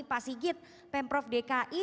pak sigit pemprov dki